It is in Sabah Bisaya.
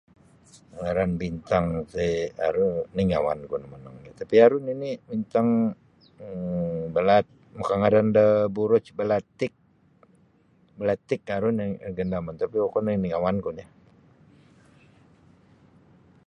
Ngaran bintang ti aru ningawan ku nio monongnyo tapi' aru nini' bintang um belat makangaran da buruj belatik belatik aru nagandamanku tapi' wokon ri ningawanku nio.